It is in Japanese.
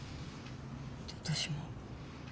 私も。